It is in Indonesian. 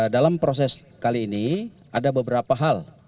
dalam proses kali ini ada beberapa hal